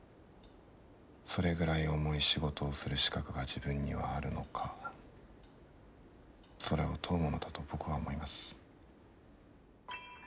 それぐらい重い仕事をする資格が自分にはあるのかそれを問うものだと僕は思います。